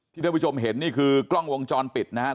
ท่านผู้ชมเห็นนี่คือกล้องวงจรปิดนะครับ